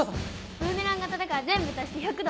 ブーメラン形だから全部足して１００度。